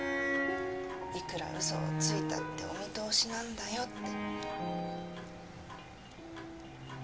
いくらうそをついたってお見通しなんだよって。